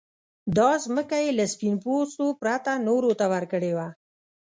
دا ځمکه يې له سپين پوستو پرته نورو ته ورکړې وه.